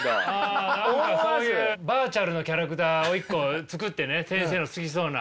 何かそういうバーチャルのキャラクターを一個作ってね先生の好きそうな。